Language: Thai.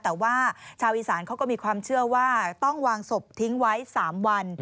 แต่ว่าชาวอีสานเขาก็มีความเชื่อว่าต้องวางศพทิ้งไว้๓วัน